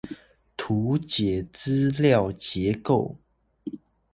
圖解資料結構